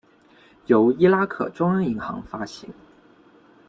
由伊拉克中央银行发行。